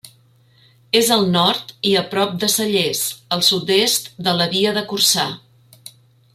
És al nord i a prop de Cellers, al sud-est de la Via de Corçà.